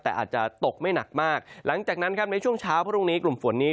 แต่อาจจะตกไม่หนักมากหลังจากนั้นครับในช่วงเช้าพรุ่งนี้กลุ่มฝนนี้